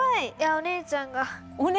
お姉ちゃんが。